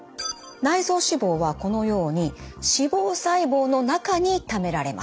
内臓脂肪はこのように脂肪細胞の中にためられます。